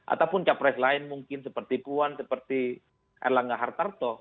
ataupun capres lain mungkin seperti puan seperti erlangga hartarto